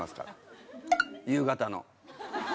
夕方の。